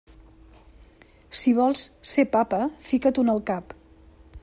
Si vols ser papa, fica-t'ho en el cap.